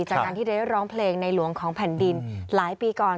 จากการที่ได้ร้องเพลงในหลวงของแผ่นดินหลายปีก่อน